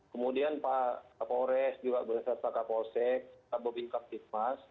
kemudian pak fores pak kapolsek pak bobi kapitmas